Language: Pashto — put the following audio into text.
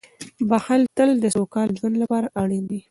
• بښل تل د سوکاله ژوند لپاره اړین دي.